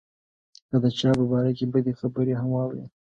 که د چا په باره کې بدې خبرې هم واوري.